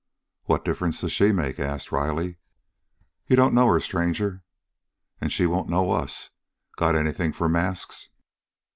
"What difference does she make?" asked Riley. "You don't know her, stranger." "And she won't know us. Got anything for masks?"